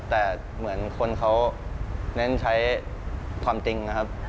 แต่เหมือนคนเขาเน้นใช้ความตรง